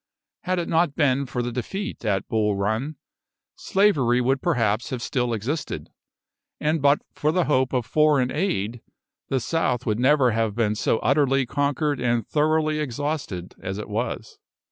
Had it not been for the defeat at Bull Run, slavery would perhaps have still existed; and but for the hope of foreign aid, the South would never have been so utterly conquered and thoroughly exhausted as it was.